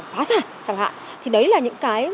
phá sản chẳng hạn thì đấy là những cái